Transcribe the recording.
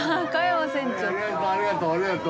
ありがとうありがとう。